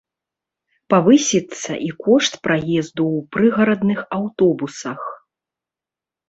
Павысіцца і кошт праезду ў прыгарадных аўтобусах.